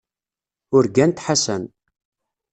Urgant Ḥasan.